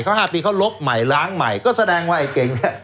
เพราะ๕ปีเขาลบใหม่ล้างใหม่ก็แสดงว่าเก๋งอีก